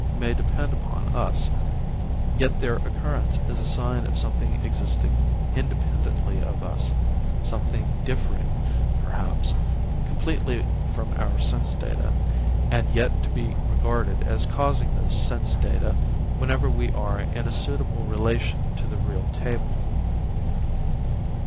may depend upon us, yet their occurrence is a sign of something existing independently of us, something differing, perhaps, completely from our sense data, and yet to be regarded as causing those sense data whenever we are in a suitable relation to the real table.